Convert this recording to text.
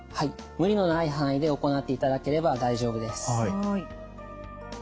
無理のない範囲で行っていただければ大丈夫です。